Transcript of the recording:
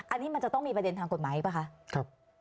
อันนี้มันจะต้องมีประเด็นทางกฎหมายป่ะคะ